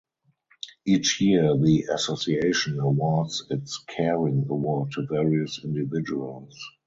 Each year the Association awards its Caring Award to various individuals.